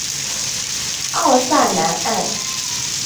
奥萨南岸。